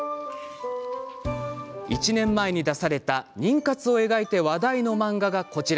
１年前に出された妊活を描いて話題の漫画がこちら。